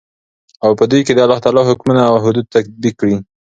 او په دوى كې دالله تعالى حكمونه او حدود تطبيق كړي .